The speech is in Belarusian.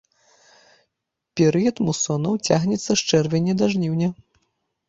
Перыяд мусонаў цягнецца з чэрвеня да жніўня.